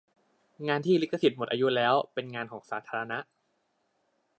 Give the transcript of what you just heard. งานที่ลิขสิทธิ์หมดอายุแล้วเป็นงานของสาธารณะ